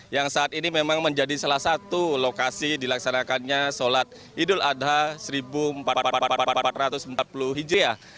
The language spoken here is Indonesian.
yang saat ini memang menjadi salah satu lokasi dilaksanakannya sholat idul adha seribu empat ratus empat puluh hijriah